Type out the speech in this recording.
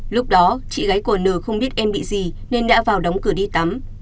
lúc đó chị gái của n không biết em bị gì nên đã vào đóng cửa đi tắm